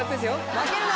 ・負けるな！